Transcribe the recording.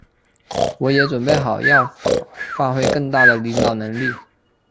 我也准备好要发挥更大的领导能力。